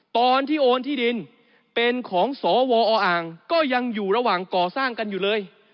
ตอนที่โอนที่ดินเป็นของสวออ่างก็ยังอยู่ระหว่างก่อสร้างกันอยู่เลย